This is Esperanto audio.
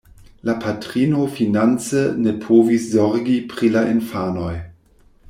La patrino finance ne povis zorgi pri la infanoj.